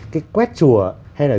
cái quét chùa hay là